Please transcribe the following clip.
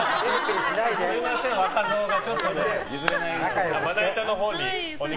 すみません、若造が。